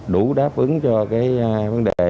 đủ đáp ứng cho cái vấn đề